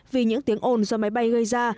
vì những tiếng ồn do máy bay gây ra